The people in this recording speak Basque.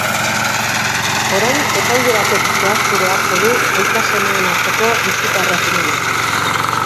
Orain epaile batek zehaztu beharko du aita-semeen arteko bisita erregimena.